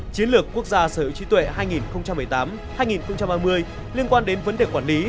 chiến lược quốc gia sở hữu trí tuệ hai nghìn một mươi tám hai nghìn ba mươi liên quan đến vấn đề quản lý